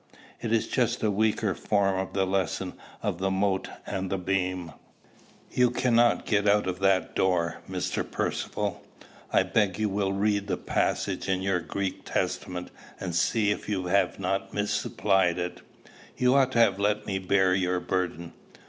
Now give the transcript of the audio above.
It is just a weaker form of the lesson of the mote and the beam. You cannot get out at that door, Mr. Percivale. I beg you will read the passage in your Greek Testament, and see if you have not misapplied it. You ought to have let me bear your burden."